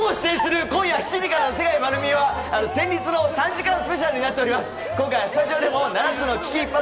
僕も出演する今夜７時からの『まる見え！』は戦慄の３時間スペシャルになっております。